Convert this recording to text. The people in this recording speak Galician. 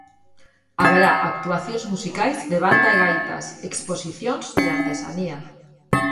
Haberá actuacións musicais de banda e gaitas, exposicións de artesanía.